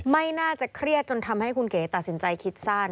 ไม่น่าจะเครียดจนทำให้คุณเก๋ตัดสินใจคิดสั้น